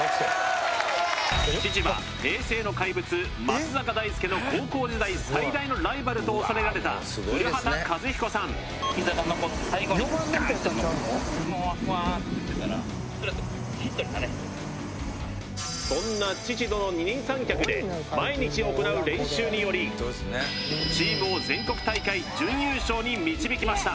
父は平成の怪物松坂大輔の高校時代最大のライバルと恐れられた古畑和彦さんそんな父との二人三脚で毎日行う練習によりチームを全国大会準優勝に導きました